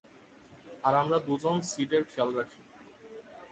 আর আমরা দুজন সিডের খেয়াল রাখি।